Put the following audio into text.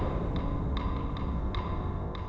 ตรงนี้